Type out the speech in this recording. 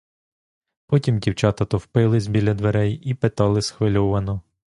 Потім дівчата товпились біля дверей і питали схвильовано.